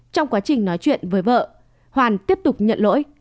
trong quá trình nói chuyện với vợ hoàn tiếp tục nhận lỗi